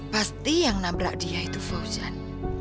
pasti yang nabrak dia itu fauzan